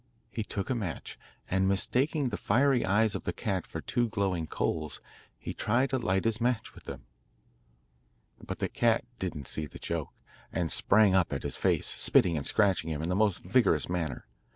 He took a match, and mistaking the fiery eyes of the cat for two glowing coals, he tried to light his match with them. But the cat didn't see the joke, and sprang at his face, spitting and scratching him in the most vigorous manner.